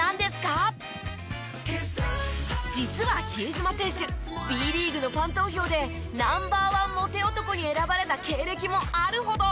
実は比江島選手Ｂリーグのファン投票でＮｏ．１モテ男に選ばれた経歴もあるほど。